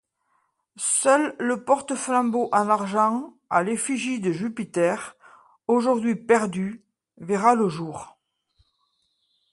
Seul le porte-flambeau en argent à l’effigie de Jupiter, aujourd’hui perdu, verra le jour.